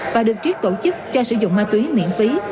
và được triết tổ chức cho sử dụng ma túy miễn phí